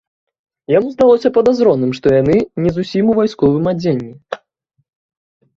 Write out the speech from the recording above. Яму здалося падазроным, што яны не зусім у вайсковым адзенні.